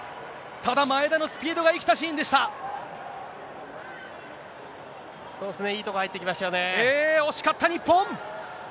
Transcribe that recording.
ただ、前田のスピードが生きたシそうですね、ええ、惜しかった、日本。